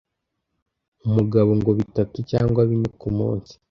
umugabo ngo bitatu cyangwa bine ku munsi